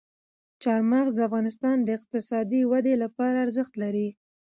چار مغز د افغانستان د اقتصادي ودې لپاره ارزښت لري.